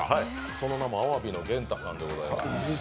その名もあわびの源太さんでございます。